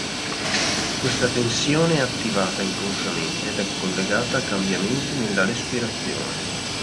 Questa tensione è attivata inconsciamente ed è collegata a cambiamenti nella respirazione.